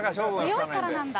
強いからなんだ。